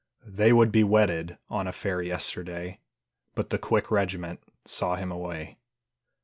They would be wedded On a fair yesterday, But the quick regiment Saw him away.